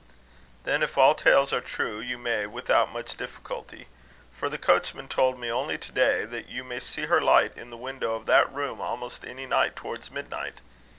"Then, if all tales are true, you may, without much difficulty. For the coachman told me only to day, that you may see her light in the window of that room almost any night, towards midnight.